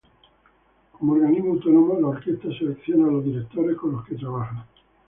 Como organismo autónomo, la orquesta selecciona a los directores con los que trabaja.